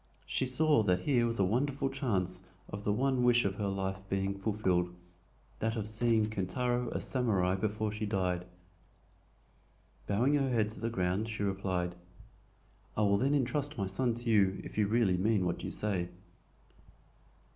She saw that here was a wonderful chance of the one wish of her life being fulfilled—that of seeing Kintaro a SAMURAI before she died. Bowing her head to the ground, she replied: "I will then intrust my son to you if you really mean what you say."